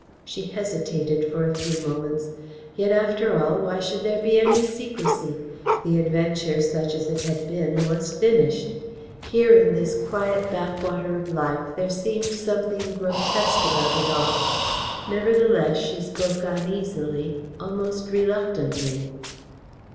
She hesitated for a few moments. Yet, after all, why should there be any secrecy? The adventure, such as it had been, was finished. Here in this quiet backwater of life there seemed something grotesque about it all. Nevertheless she spoke uneasily, almost reluctantly.